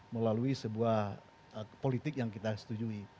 melalui sebuah politik yang kita setujui